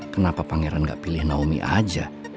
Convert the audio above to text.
kenapa pangeran gak pilih naomi aja